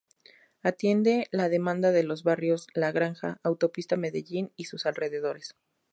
Atiende la demanda de los barrios La Granja, Autopista Medellín y sus alrededores.